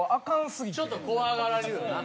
ちょっと怖がられるよな。